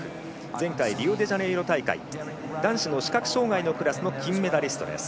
前回のリオデジャネイロ大会男子の視覚障がいのクラスの金メダリストです。